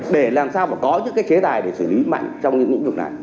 để làm sao mà có những cái chế tài để xử lý mạnh trong những vấn đề này